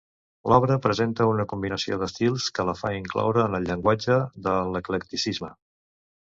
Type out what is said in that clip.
L'obra presenta una combinació d'estils que la fa incloure en el llenguatge de l'eclecticisme.